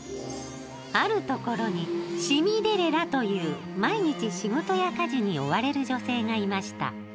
あるところにシミデレラという毎日、仕事や家事に追われる女性がいました。